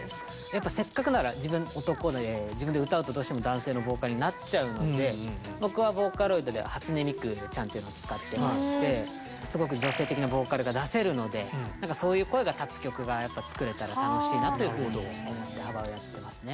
やっぱせっかくなら自分男で自分で歌うとどうしても男性のボーカルになっちゃうので僕はボーカロイドで初音ミクちゃんっていうのを使ってましてすごく女性的なボーカルが出せるのでそういう声が立つ曲がやっぱ作れたら楽しいなというふうに思ってやってますね。